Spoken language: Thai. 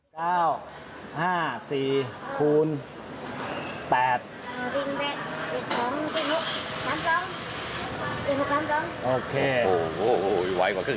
ลงหาแล้วตามหา